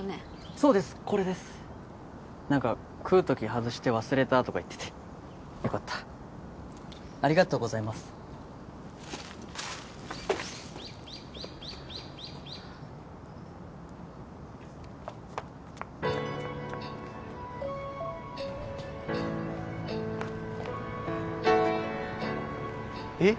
そうですこれですなんか「食う時外して忘れた」とか言っててよかったありがとうございますえっ？